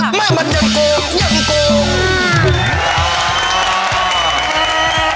เมื่อมันยังโกงยังโกง